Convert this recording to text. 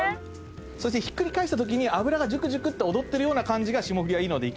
ひっくり返したときに脂がジュクジュクと踊ってるような感じが霜降りはいいので。